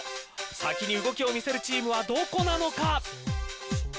先に動きを見せるチームはどこなのか。